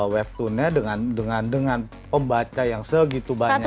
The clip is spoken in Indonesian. webtoonnya dengan pembaca yang segitu banyaknya